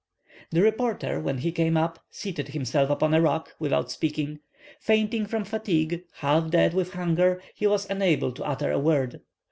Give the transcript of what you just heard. The reporter, when he came up, seated himself upon a rock, without speaking. Fainting from fatigue, half dead with hunger, he was unable to utter a word.